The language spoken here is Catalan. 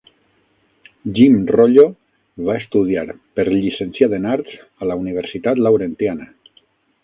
Jim Rollo va estudiar per llicenciat en arts a la Universitat Laurentiana.